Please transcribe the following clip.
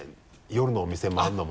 夜のお店回るのも。